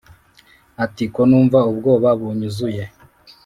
ati"konumva ubwoba bunyuzuye